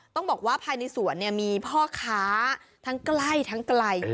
ต้องบอกว่าภายในสวนมีพ่อค้าทั้งใกล้ทั้งไกล